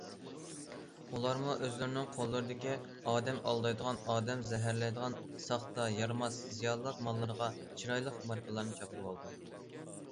ئۇلارمۇ ئۆزلىرىنىڭ قوللىرىدىكى ئادەم ئالدايدىغان، ئادەم زەھەرلەيدىغان ساختا، يارىماس، زىيانلىق ماللىرىغا چىرايلىق ماركىلارنى چاپلىۋالىدۇ.